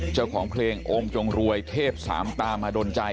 เจ้าของเพลงองค์จงรวยเทพสามตามาดนใจ